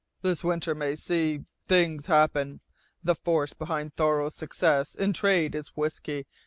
"This winter may see things happen. The force behind Thoreau's success in trade is whisky.